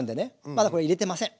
まだこれ入れてません。